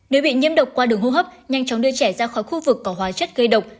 nếu bị nhiễm độc qua đường hô hấp nhanh chóng đưa trẻ ra khỏi khu vực có hóa chất gây độc